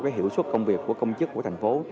cái hiệu suất công việc của công chức của thành phố